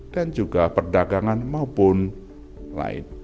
juga perdagangan maupun lain